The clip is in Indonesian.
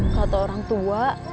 kata orang tua